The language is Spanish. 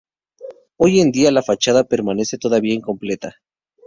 Hoy en día la fachada permanece todavía incompleta.